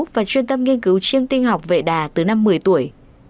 và chuyên tâm nghiên cứu chiêm tinh học vệ đà từ năm một mươi tuổi